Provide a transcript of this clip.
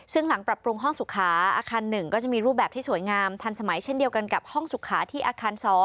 ซึ่งหลังปรับปรุงห้องสุขาอาคาร๑ก็จะมีรูปแบบที่สวยงามทันสมัยเช่นเดียวกันกับห้องสุขาที่อาคาร๒